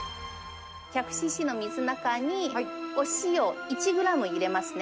１００ｃｃの水の中に、１グラムなんですね。